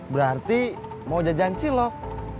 berarti mau jajan cilok